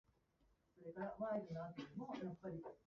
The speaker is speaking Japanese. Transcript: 悲しいことがあったとしても、今は前を向いて歩かなければならない。